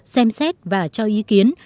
xem xét và cho ý kiến